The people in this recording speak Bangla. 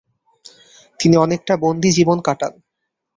তিনি অনেকটা বন্দী জীবন কাটান।